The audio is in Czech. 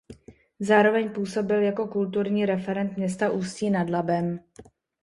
Zároveň působil jako kulturní referent města Ústí nad Labem.